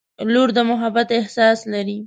• لور د محبت احساس لري.